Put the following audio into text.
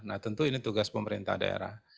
nah tentu ini tugas pemerintah daerah